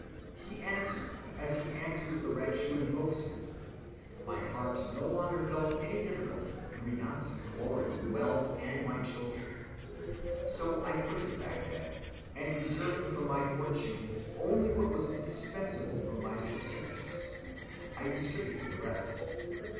He answered, as he answers the wretch who invokes him. My heart no longer felt any difficulty in renouncing glory, wealth, and my children. So I quitted Bagdad, and reserving from my fortune only what was indispensable for my subsistence, I distributed the rest.